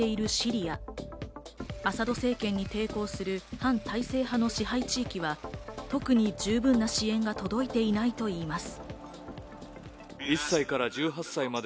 アサド政権に抵抗する反体制派の支配地域は特に十分な支援が届いていないといいます。